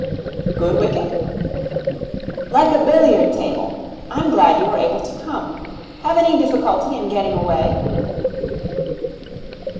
'Good wicket?' 'Like a billiard table. I'm glad you were able to come. Have any difficulty in getting away?'